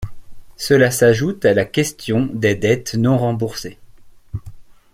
Cela s'ajoute à la questions des dettes non remboursées.